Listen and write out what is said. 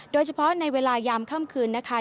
โดยเฉพาะในเวลายามค่ำคืนนะคะ